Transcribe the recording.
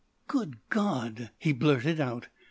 "Good God!" he blurted out.